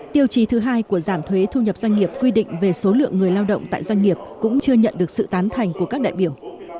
tiêu chí thứ hai của giảm thuế thu nhập doanh nghiệp quy định về số lượng người lao động tại doanh nghiệp cũng chưa nhận được sự tán thành của các đại biểu